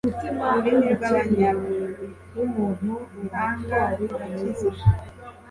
ururimi rw'abanyabuhanga rurakiza